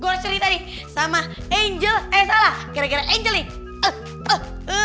gue harus cerita nih sama angel eh salah gara gara angel nih